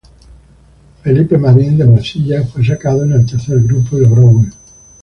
Felipe Marín, de Marcilla fue sacado en el tercer grupo y logró huir.